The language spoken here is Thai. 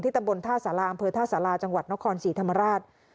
ตำบลท่าสาราอำเภอท่าสาราจังหวัดนครศรีธรรมราช